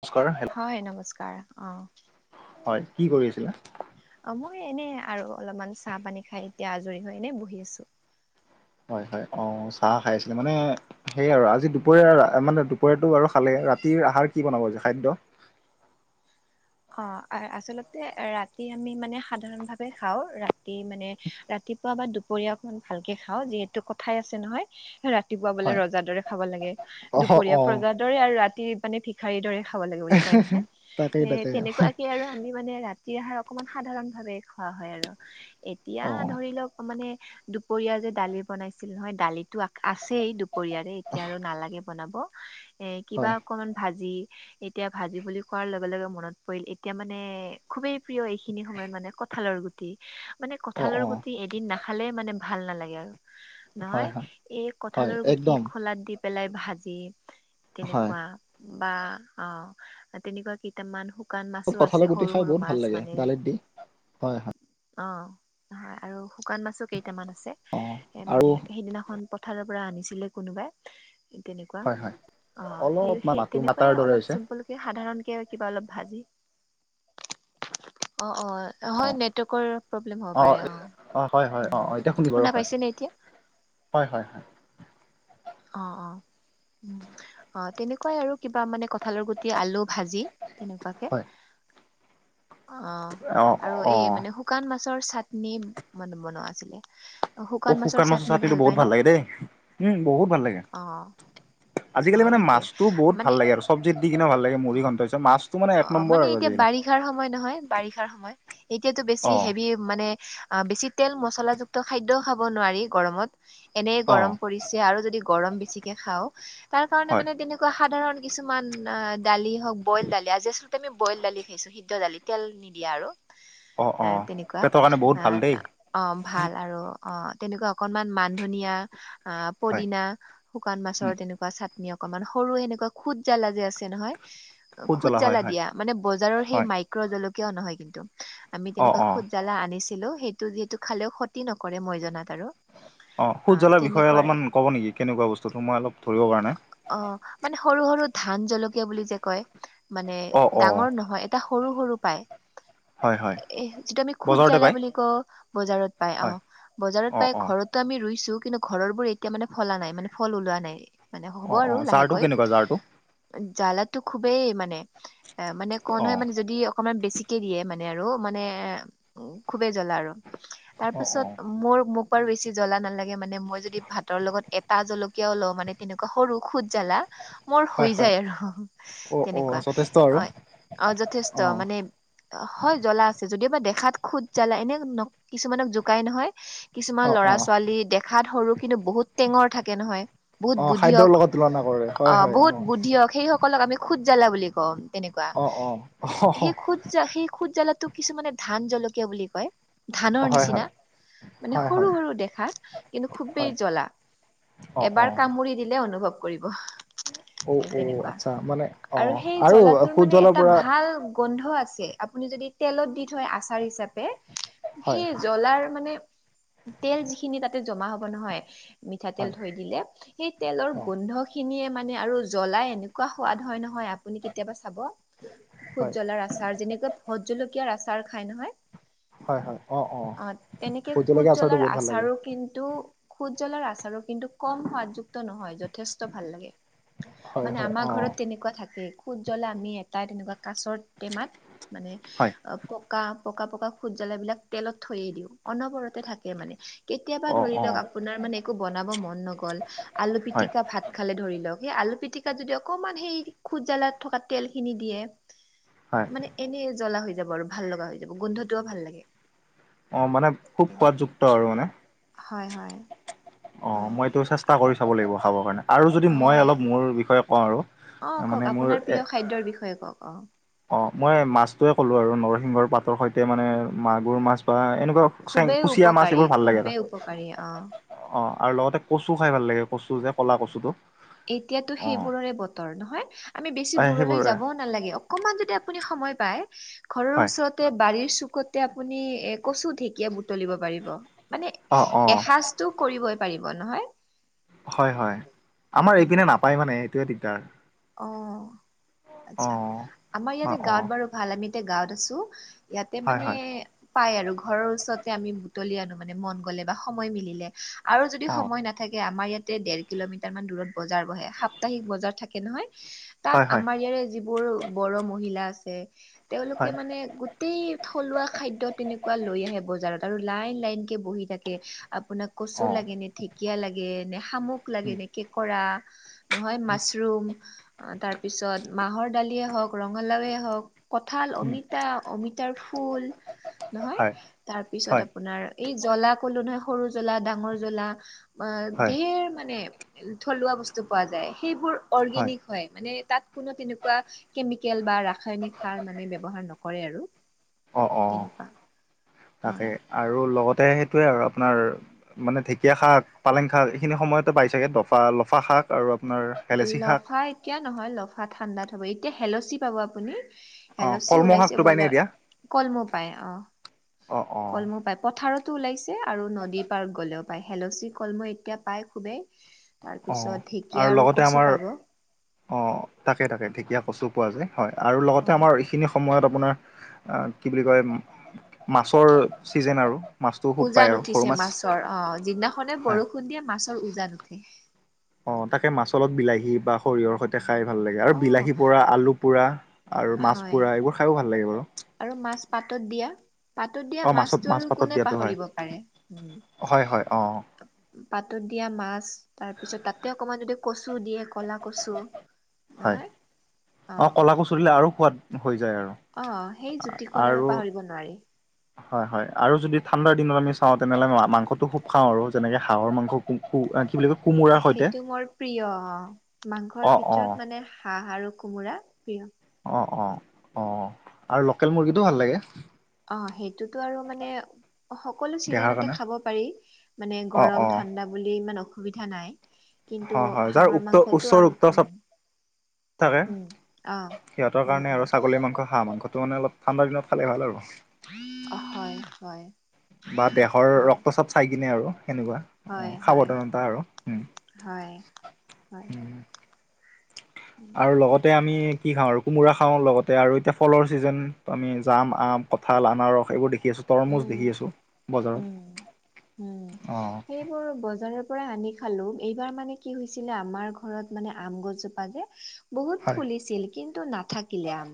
নমস্কাৰ হে হয় নমস্কাৰ অ। হয় কি কৰি আছিলা? অ মই এনেই আৰু অলপমান চাহ পানী খাই এতিয়া আজৰি হৈ এনেই বহি আছো। হয় হয় অঁ চাহ খাই আছিলে মানে সেই আৰু আজি দুপৰীয়া মানে দুপৰীয়াটো বাৰু খালে, ৰাতিৰ আহাৰ কি বনাব যে খাদ্য? খা আহে আচলতে ৰাতি আমি মানে সাধাৰণ ভাৱে খাওঁ ৰাতি মানে ৰাতিপুৱা বা দুপৰীয়া অকমান ভালকে খাওঁ যিহেতু কথাই আছে নহয় ৰা ৰাতিপুৱা বোলে হয় ৰজাৰ দৰে খাব লাগে, অ' দুপৰীয়া অ' প্ৰজাৰ দৰে আৰু ৰাতি মানে ভী ক্ষাৰিৰ দৰে খাব লাগে বুলি কয় নহয়, তাকেই এ তাকেই অ' তেনেকুৱাকে আৰু আমি মানে ৰাতিৰ আহাৰ অকমান সাধাৰণ ভাৱে খোৱা হয় আৰু। এতিয়া ধৰি লওক মানে দুপৰীয়া যে দালি বনাইছিল নহয় দালিটো আ আছেই দু পৰিয়াৰে এতিয়া আৰু নালাগে বনাব, এ কিবা হয় অকমান ভাজি এতিয়া ভাজি বুলি খোৱাৰ লগে লগে মনত পৰিল এতিয়া মানে খুবেই প্ৰিয় এইখিনি সময়ত মানে কঁঠালৰ গুট টি মানে অ' কঁঠালৰ অ' গুটি এদিন নাখালে মানে ভাল নালাগে আৰু। হয় নহয় হয় এই হয় কঠালৰ গুটি একদম খোলাত দি পেলাই ভাজি হয় তেনেকুৱা। বা অ তেনেকুৱা কেইটামান হো কান মাছো আছে কঁঠালৰ গুটি সৰু - খাই সৰু বহুত ভাল মাছ লাগে মানে। দালিত দি হয় হয় অ' হয় আৰু শুকান মাছো কেইটামান আছে, অ' এ মানে আৰু সেইদিনাখন পথাৰৰপৰা আনিছিলে কোনোবাই। তেনেকুৱা, হয় হয় অ সেই অলপমান সেই মাতো মাতাৰ তেনেকুৱাই দৰে অলপ হৈছে চিম্পুল। সাধাৰণকে কিবা অলপ ভাজি। অ অ। অ হয় নেটৱৰ্কৰ প্ৰব্লেম হ'ব পাৰে অ, অ' হয় হয় উম অ' এতিয়া শুনি বাৰু শুনা হয় পাইছেনে এতিয়া? হয় হয় হয়। অহ অহ। উম অ তেনেকুৱাই আৰু কিবা মানে কঁঠালৰ গুটি আলু ভাজি তেনেকুৱাকে- হয় অঁ অ' আৰু এই মানে অ' শুকান মাছৰ চাটনি মানে বনোৱা আছিলে। অ শুকান মাছৰ চাটনিটো বহুত ভাল লাগে দেই উম বহুত ভাল লাগে। অ' আজিকালি অ' মানে সেইটোয়ে মাছটো বহুত মানে ভাল লাগে আৰু চব্জিত দি কিনে ভাল লাগে মুৰি ঘন্তা মাছ- অ' মানে এতিয়া বাৰিষাৰ সময় নহয় বাৰিষাৰ সময়। এতিয়াতো বেছি অঁ হেভি। মানে, বেছি তেল মচলা যুক্ত খাদ্য খাব নোৱাৰি গৰমত এনেই অঁ গৰম প- আৰু যদি গৰম বেছিকে খাওঁ তাৰ কাৰণে হয় মানে তেনে- তেনেকুৱা সাধাৰণ কিছুমান অ দালি হওক বইল। দালি আজি আচলতে আমি বইল দালি খাইছো সিদ্ধ দালি তেল নিদিয়া আৰু। অঁ এ অঁ, তেনেকুৱা পেটৰ কাৰণে বহুত আহ ভাল দেই। অ' ভাল আৰু অ তেনেকুৱা অকনমান মান ধনীয়া। আ, হয় পদিনা শুকান মাছৰ তেনেকুৱা চাটনি। অকনমান সৰুয়ে এনেকুৱা খুদ জ্বালা যে আছে নহয়, খুদ জ্বলা হয় জ্বালা হয় দিয়া মানে বজাৰৰ সেই হয় মাইক- জলকীয়াও নহয় কিন্তু আমি অঁ তেনেকুৱা অঁ খুদ জ্বালা আনিছো। ছিলো সেইটো যিহেতু খালেও ক্ষতি নকৰে মই জনাত আৰু। অঁ, খুদ অ' জ্বালা বিষয়ে তেনেকুৱা অলপমান ক'ব নেকি কেনেকুৱা বস্তুটো মই অলপ ধৰিব পৰা নাই? অ' মানে সৰু সৰু ধান জলকীয়া বুলি যে কয় মানে অঁ অঁ ডাঙৰ নহয়। এটা সৰু সৰু পায়, হয় হয় যিটো আমি খুদ বজাৰতে জ্বালা পায় বুলি কওঁ বজাৰত- পাই অঁ, হয় বজাৰত অঁ পাই অঁ ঘৰতো আমি ৰুইছো কিন্তু ঘৰৰ বোৰ এতিয়া মানে ফলা নাই মানে ফল ওলোৱা নাই। মানে হ'ব অঁ আৰু অঁ জাৰটো লাহেকৈ। কেনেকুৱা জাৰটো জ্বালাতো খুবেই মানে এ মানে কন হয় অঁ মানে যদি অকমান বেছি। দিয়ে মানে আৰু মানে খুবেই জ্বালা আৰু তাৰ অঁ পিছত অঁ মোৰ মোক- বেছি জ্বলা নালাগে মানে মই যদি ভাতৰ লগত এটা জলকীয়াও লওঁ মানে তেনেকুৱ- সৰু খুদ জ্বালা। মোৰ হৈ হয় হয় যায় আৰু অঁ অঁ তেনেকুৱা যথেষ্ট আৰু হয়, অ যথেষ্ট অঁ মানে- হয় জ্বলা আছে যদিওবা দেখাত খুদ জ্বলা এনে কিছুমানক জোকাই নহয়। কিছুমান অঁ ল'ৰা অঁ ছোৱালী দেখাত সৰু কিন্তু বহুত টেঙৰ থাকে নহয়, বহুত - অঁ খাদ্যৰ বুদ্ধিয়ক লগত তুলনা কৰে হয় অ হয় বহুত অঁ বুদ্ধিয়ক। সেই সকলক আমি খুদ জ্বালা বুলি কওঁ তেনেকুৱা, অঁ অঁ অঁ সেই খুদ জ্বালা সেই খুদ জ্বালাটোক- কিছুমানে ধান জলকীয়া বুলি কয়। হয় ধানৰ হয় নিচিনা মানে হয় হয় সৰু সৰু দেখাত কিন্তু হয় খুবেই জ্বলা। অ অ এবাৰ কামুৰি দিলে অনুভৱ কৰিব। অ অ তেনেকুৱা আচ্ছা মানে অ আৰু সেই জ্বলাটোৰ মানে সুজলৰ এটা পৰা ভাল। গোন্ধ আছে আপুনি যদি তেলত দি থয় আচাৰ হিচাপে হয় সেই- জ্বলাৰ মানে তেল যিখিনি তাতে জমা হব নহয় মিঠাতেল হয় থৈ দিলে। সেই তেলৰ অ গোন্ধ খিনিয়ে মানে আৰু জ্বলাই এনেকুৱা সোৱাদ হয় নহয় আপুনি কেতিয়াবা চাব। খুদ হয় জ্বলাৰ আচাৰ যেনেকৈ ভোট জলকীয়াৰ আচাৰ খায় নহয়। হয় হয় অ অ' তেনেকে ভোট খুদ জলকীয়া আচাৰটো জ্বলাৰ বহুত ভাল লাগে আচাৰো কিন্তু- খুদ জ্বালাৰ আচাৰো কিন্তু কম সোৱাদযুক্ত নহয় যথেষ্ট ভাল লাগে। হয় মানে, হয় অ আমাৰ ঘৰত তেনেকুৱা থাকে খুদ জ্বলা আমি। তাই তেনেকুৱা কাছৰ টেমাত মানে হয় পকা- পকা পকা খুদ জ্বালা বিলাক তেলত থৈয়ে দিওঁ অনবৰতে থাকে মানে। কেতিয়াবা অ ধৰি অ লওক আপোনাৰ মানে একো বনাব মন নগ'ল আলু হয় পিটিকা ভাত- খালে ধৰি লওক, সেই আলু পিটিকাত যদি অকমান সেই খুদ জ্বালা থকা তেল খিনি দিয়ে। হয় মানে এনেই জ্বলা হৈ যাব আৰু ভাল লগা হৈ যাব গোন্ধটোও ভাল লাগে। অ মানে খুব তেনেকুৱা সোৱাদ যুক্ত আৰু মানে হয় হয়। অ' হয় মই এইটো চেষ্টা কৰি চাব লাগিব খাবৰ কাৰণে। আৰু যদি মই হয় অলপ মোৰ বিষয়ে কওঁ আৰু অ কওক মানে মোৰ আপোনাৰ প্ৰিয় এ খাদ্যৰ বিষয়ে কৱক? অ‌। অ মই মাছটোৱে ক'লো আৰু নৰসিংহৰ পাতৰ সৈতে মানে মাগুৰ মাছ বা এনেকুৱা চেং খুবেই কুচিয়া মাছ উপকাৰী, এইবোৰ ভাল লাগে আৰু খুবেই উপকাৰী অ। অ, আৰু লগতে কচু খাই ভাল লাগে, কচু যে ক'লা কচুটো। এতিয়াটো অ সেইবোৰৰে বতৰ নহয়, আমি বেছি এ দূৰলৈ সেইবোৰে যাব নালাগে। অকমান যদি আপুনি সময় পায় ঘৰৰ হয় ওচৰত তে বাৰিৰ চুকতে আপুনি এ কচু ঢেঁকীয়া বুটলিব পাৰিব। মানে অ অ এসাজ টো কৰিবই পাৰিব নহয়। হয় হয়। আমাৰ এইপিনে নাপায় মানে এইটোয়ে দিগদাৰ। অ অ আচ্ছা। আমাৰ অ ইয়াতে অ গাঁৱত বাৰু ভাল আমি এতিয়া গাঁৱত আছোঁ। ইয়াতে হয় মানে হয় পাই আৰু ঘৰৰ ওচৰতে আমি বুটলি আনো মানে মন গ'লে বা সময় মিলিলে আৰু যদি অ সময় নাথা নাথাকে আমাৰ ইয়াতে দেৰ কিলোমিটাৰ মান দূৰত বজাৰ বহে। সাপ্তাহিক বজাৰ থাকে নহয়। তাত হয় হয় আমাৰ ইয়াৰে যিবোৰ বড়ো মহিলা আছে তেওঁলোকে হয় মানে গোট গোটেই থলুৱা খাদ্য তেনেকুৱা লৈ আহে বজাৰত আৰু লাইন লাইনকে বহি থাকে। আপোনাক কচু অ লাগে নে? ঢেঁকীয়া লাগে নে শামুক লাগে উম নে কেঁকোৰা নহয় মাছ ৰুম, অ তাৰপিছত মাহৰ দালিয়ে হওঁক ৰঙালাৱে হওঁক। কঁঠাল, উম অমিতা, অমিতাৰ ফুল। নহয় হয় হয় তাৰপিছত আপোনাৰ এই জ্বলা কলো নহয় সৰু জ্বলা ডাঙৰ জ্বলা অ হয় ধেৰ মানে থলুৱা বস্তু পোৱা যায়। সেইবোৰ অৰ্গেনিক হয় মানে তাত কোনো তেনেকুৱা কেমিকেল বা ৰাসায়নিক সাৰ মানে ব্যৱহাৰ নকৰে আৰু অ অ তেনেকুৱা তাকে হয় আৰু লগতে সেইটোৱে আৰু আপোনাৰ মানে ঢেঁকীয়া শাক, পালেং শাক এইখিনি সময়তে পাই চাগে লফা লফা শাক আৰু আপোনাৰ হেলেচি শাক লফা এতিয়া নহয় লফা ঠাণ্ডাত হ'ব। এতিয়া শেলচি পাব আপুনি। অ শেলচি কলমৌ ওলাইছে শাকটো পাইনে বজাৰত, এতিয়া কলমূল পাই অ। অ অ কলমূল পায় পথাৰত। টো ওলাইছে আৰু নদী পাৰত গ'লেও পায় শেলচি কলমূল এতিয়া পাই খুবেই। তাৰপিছত ঢেঁকীয়া আৰু তে কচু আমাৰ, পাব অ তাকে তাকে ঢেঁকীয়া, কচু পোৱা যায় হয় আৰু লগতে অ' আমাৰ এইখিনি সময় সময়ত আপোনাৰ আ কি বুলি কয়? মাছৰ ছিজেন আৰু মাছটোও খুব পায় উজান আৰু সৰু উঠিছে মাছ মাছৰ অ যিদিনাখনে হয় বৰষুণ দিয়ে মাছৰ উজান উঠে। অ তাকে মাছৰ লগত বিলাহী বা সৰিয়হৰ সৈতে খাই ভাল লাগে। আৰু অ' বিলাহী পোৰা আলু পোৰা আৰু মাছ হয় পোৰা এইবোৰ খায়ো ভাল লাগে বাৰু। আৰু মাছ পাতত দিয়া। পাতত দিয়া অ' মাছত মাছটো মাছ আৰু পাতত কোনে দিয়াটো হয় পাহৰিব পাৰে। হয় হয় অ' পাতত দিয়া মাছ তাৰপিছত তাতে অকমান যদি কচু দিয়ে, কলা কচু। হয়। নহয় অ কলা কচু দিলে আৰু সোৱাদ হৈ যায় আৰু অ সেই জ্যোতিকণ আৰু পাহৰিব নোৱাৰি। হয় হয় আৰু যদি ঠাণ্ডাৰ দিনত আমি চাওঁ তেনেহ'লে মা মাংসটো খুব খাওঁ আৰু যেনেকে হাঁহৰ মাংস আ কি বুলি কয়? কোমোৰাৰ সৈতে সেইটো মোৰ প্ৰিয় অ। মাংসৰ অ' অ' ভিতৰত মানে হাঁহ আৰু কোমোৰা। প্ৰিয়। অঁ অঁ অঁ, আৰু লোকেল মুৰ্গীটো ভাল লাগে। অহ সেইটোতো আৰু মানে সকলো দেহাৰ ছিজনতে কাৰণে খাব পাৰি মানে অ' গৰম অ' ঠাণ্ডা বুলি ইমান অসুবিধা নাই। কিন্তু হয় হয় যাৰ হাঁহৰ উক্ত উচ্চ মাংসটো আম ৰক্ত চাপ উম থাকে। উম অ সিহঁতৰ উম কাৰণে উম আৰু ছাগলী মাংস হাঁহ মাংসটো মানে অলপ। ঠাণ্ডা দিনত খালে ভাল আৰু। হয় হয়। বা দেহৰ হয় ৰক্তচাপ চাই কিনে আৰু সেনেকুৱা। অ হয় হয় সাৱধানতা আৰু উম হয় হয়। উম উম আৰু লগতে আমি কি খাওঁ আৰু কোমোৰা খাওঁ লগতে আৰু এতিয়া ফলৰ ছিজন আমি জাম, আম, কঁঠাল, আনাৰস এইবোৰ দেখোঁ। খি আছো তৰমুজ উম দেখি আছো বজাৰত অ বোৰ বজাৰৰ পৰা আনি খালো। এইবাৰ মানে কি হৈছিলে আমাৰ ঘৰত মানে আম গছজোপা যে বহুত হয় ফুলিছিল কিন্তু নাথাকিলে আম।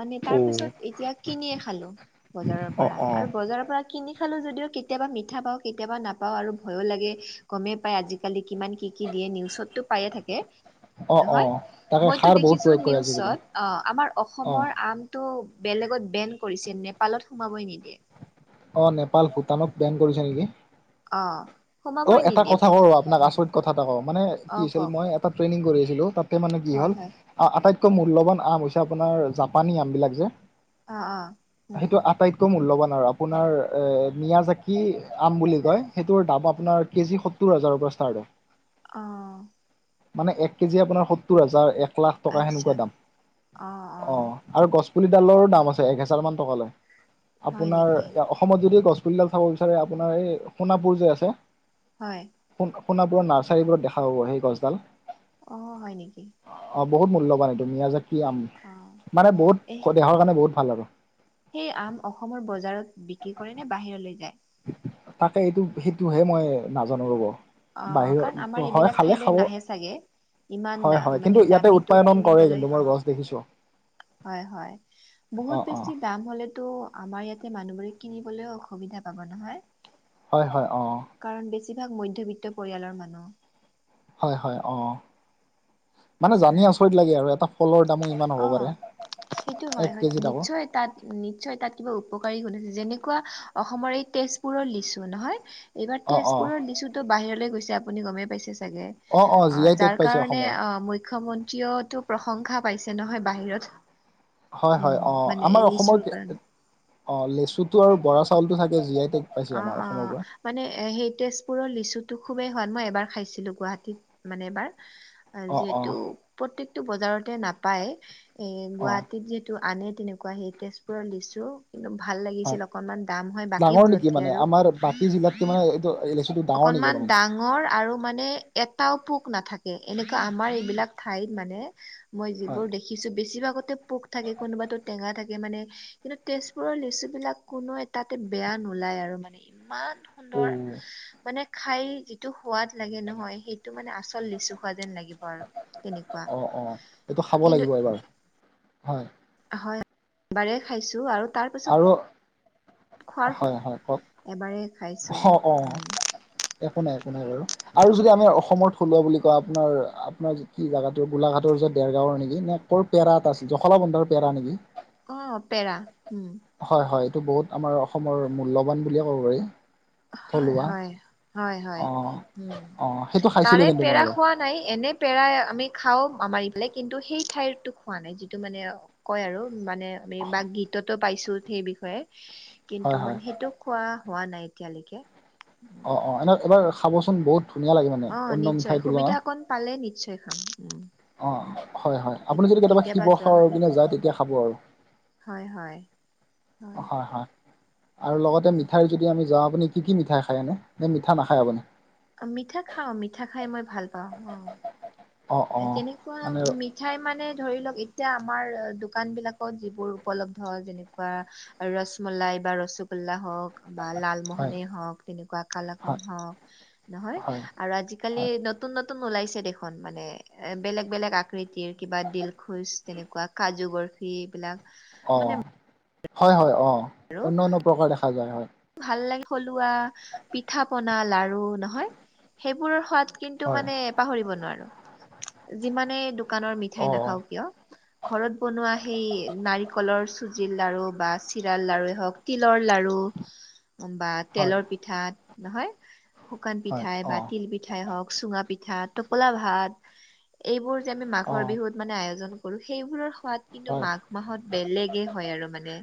মানে অ তাৰ পিছত এতিয়া কিনিয়ে খালো বজাৰৰ অ পৰা অ আৰু বজাৰৰ পৰা। কিনি খালো যদিও কেতিয়াবা মিঠা পাওঁ কেতিয়াবা নাপ- পাওঁ আৰু ভয়ো লাগে, গমেই পায় আজিকালি কিমান কি কি দিয়ে নিউজতটো পায়ে থাকে। অ অ নহয় তাকে মইতো সাৰ বহুত দেখিছো প্ৰয়োগ কৰে আজিকালি নিউজত অ আমাৰ অ অসমৰ আম টো বেলেগত বেন কৰিছে নেপালত সোমাবই নিদিয়ে। অ নেপাল, ভূটানত বেন কৰিছে নেকি। অ। অ সোমাবই এটা নিদিয়ে কথা ক আপোনাক উম আচৰিত কথা এটা কওঁ মানে অ কি হৈছিল কওক মই ট্ৰেইনিং কৰিছিলো তাতে মানে কি হয় হল হয় আটাইতকৈ মূল্যৱান আম হৈছে আপোনাৰ জাপানী আম বিলাক যে অ অ উম সেইটো আটাইত- কো মূল্য বান আৰু আপোনাৰ নিয়া যে কি আম বুলি কয় সেইটো দাবাব আপোনাৰ কেজি সত্তৰ হাজাৰৰ পৰা ষ্টাৰ্ট হয়। অ। মানে এক কেজি আপোনাৰ সত্তৰ হাজাৰ, এক লাখ টকা আচ্ছা সেনেকুৱা দাম। অ। আৰু গছপুলি ডালৰো দাম আছে এক হেজাৰ মান টকা লব। হয় আপোনাৰ নেকি অসমত যদি গছগুলিডাল চাব বিচাৰে, আপোনাৰ এই সোণাপুৰ যে আছে হয়। সোণাপুৰত নাৰ্চাৰীবোৰত দেখা পাব সেই গছডাল। অ হয় নেকি? অ বহুত মূল্যৱান নিয়া জাতীয় আম অ মানে এ বহুত দহৰ কাৰণে বহুত ভাল আৰু। সেই আম অসমৰ বজাৰত বিক্ৰী কৰেনে বাহিৰলৈ যায়? তাকে এইটো সেইটোহে মই নাজানো ৰ'ব। অ অ বাহিৰ কাৰণ আমাৰ হয় এইবিলাক খালে ঠাইলৈ খাব। নাহে চাগে ইমান হয় দাম হয় মানে কিন্তু ইয়াতে দামীটো উৎপাদন কৰে কিনিবলৈ কিন্তু মই অ গছ দেখিছো। হয় হয় বহুত অ বেছি। দাম হ'লেতো আমাৰ ইয়াতে মানুহবোৰে কিনিবলৈ অসুবিধা পাব নহয়। হয় হয় অ। কাৰণ বেছিভাগ মধ্যবৃত্ত পৰিয়ালৰ মানুহ। হয় হয় অ। মানে জানি আচৰিত লাগে আৰু এটা ফলৰ দামো ইমান হ'ব অ পাৰে সেইটো হয় এক হয় কেজিত আক। নিশ্চয় তাত নিশ্চয় তাত কিবা উপকাৰী গুণ আছে যেনেকুৱা অসমৰ এই তেজপুৰৰ লিচু নহয়। এইবাৰ অ অ তেজপুৰৰ লিচুতো বাহিৰলৈ গৈছে আপুনি গমেই পাইছে চাগে। জি অ আই টেগ যাৰ পাইছে কাৰণে অসমৰ অ মুখ্যমন্ত্ৰীয়েতো প্ৰশংসা পাইছে নহয় বাহিৰত। হয় হয় উম অ মানে আমাৰ এই অসমৰ লিচুৰ কাৰণে অ লেচুটো আৰু বৰা চাউলটো চাগে জীয়াই থা- অ অ। মানে সেই তেজপুৰৰ লিচুটো খুবেই সোৱাদ, মই এবাৰ খাইছিলোঁ গুৱাহাটীত মানে এবাৰ। অ অ যিহেতু প্ৰত্যেকটো বজাৰতে নাপায় এ অ গুৱাহাটীত যিট- এইটো আনে তেনেকুৱা সেই তেজপুৰত লিচু কিন্তু ভাল হয় লাগিছিল অকনমান দাম হয় ডাঙৰ বাকীবোৰত নেকি মানে আমাৰ বাকী জিলাতকে মানে এইটো লেচুটো ডাঙৰ নেকি অকনমান অলপমান ডাঙ মোৰ আৰু মানে এটাও পোক নাথাকে, এনেকুৱা আমাৰ এইবিলাক ঠাইত মানে মই হয় যিবোৰ দেখিছোঁ বেছিভাগতে পোক থাকে কোনোবাতো টেঙা থা কে মানে কিন্তু তেজপুৰৰ লিচুবিলাক কোনো এটাতে বেয়া নোলায় আৰু মানে ইমান অ সুন্দৰ মানে খাই যিটো সোৱাদ লাগে নহয়, সেইটো মানে আচল লিচু খোৱা যেন লাগিব আৰু তেনেকুৱা। অঁ অঁ এইটো খাব কিন্তু লাগিব এইবাৰ, হয় হয়, এবাৰে খাইছোঁ আৰু তাৰ পিছত টো, খোৱাৰ হয় হয় কওক এবাৰে খাইছো অ অ উম একো নাই একো নাই বাৰু। আৰু যদি আমাৰ অসমৰ থলুৱা বুলি কোৱা আপোনাৰ আপোনাৰ যি কি জাগাটোৰ গোলাঘাটৰ যে দেৰগাঁৱৰ নেকি নে? কৰ পেৰা এটা আছিল জখলাবন্ধাৰ পেৰা নেকি? অ পেৰা উম হয় হয় এইটো বহুত আমাৰ অসমৰ মূল্যৱান বুলিয়ে ক'ব পাৰি। থলুৱা হয়-হয়, হয়-হয় অ উম, অ সেইটো খাইছিলোঁ তাৰে কিন্তু মই পেৰা এবাৰ খোৱা নাই এনে পেৰা আমি খাওঁ আমাৰ ইফালে কিন্তু সেই ঠাইৰতো খোৱা নাই যিটো মানে কয় আৰু মানে আমি বা গীততো পাইছোঁ সেই বিষয়ে কিন্তু হয় মানে হয় সেইটোক খোৱা হোৱা নাই এতিয়ালৈকে। উম, অ', অ', এনে এইবাৰ খাবচোন বহুত ধুনীয়া লাগে মানে অ অন্য নিশ্চয় মিঠাই সুবিধা তুলনাত। অকণ পালে নিশ্চয় খাম, উম। অ', হয়-হয় আপুনি যদি কেতিয়াবা শিৱসাগৰ কিনে যায় তেতিয়া খাব আৰু। হয়-হয়। হয়। আৰু লগতে মিঠাইৰ যদি আমি যাওঁ আপুনি কি-কি মিঠাই খায় আনে, নে মিঠা নাখায় আপুনি? অ', মিঠা খাওঁ মিঠা খাই মই ভাল পাওঁ অ'। অঁ অঁ কেনেকুৱা ম মানে মিঠাই মানে ধৰি লওঁক এতিয়া আমাৰ দোকানবিলাকত যিবোৰ উপলব্ধ যেনেকুৱা আৰু ৰসমলাই বা ৰসগোল্লা হওঁক। বা হয় লালমোহনে হওঁক তেনেকুৱা কালাকন হয় হওঁক, নহয়? হয় আৰু আজি আজিকালি হয় নতুন-নতুন ওলাইছে দেখোন মানে এ বেলেগ-বেলেগ আকৃতিৰ, কিবা দিল খোজ তেনেকুৱা কাজু বৰফি এইবিলাক। মানে অ', হয়-হয় অ', অন্যান্য প্ৰকাৰ দেখা যায় হয়। ভাল লাগে থলুৱা পিঠা পনা লাৰু নহয়? সেইবোৰৰ সোৱাদ কিন্তু হয় মানে পাহৰিব নোৱাৰোঁ, যিমানে দোকানৰ মিঠাই অঁ অঁ নাখাও কিয়। ঘৰত বনোৱা সেই নাৰিকলৰ চুজিৰ লাড়ু বা চিৰাৰ লাড়ু ৱেই হওঁক, তিলৰ লাড়ু বা হয় তেলৰ পিঠা নহয়? শুকান হয় পিঠাই বা অঁ তিল পিঠ পিঠাই হওঁক, চুঙা পিঠা, টোপোলা ভাত এইবোৰ যে আমি অঁ মাঘৰ বিহুত মানে আয়োজন কৰোঁ, সেইবোৰৰ সোৱাদ কিন্তু হয় মাঘ মাহত বেলেগে হয় আৰু মানে।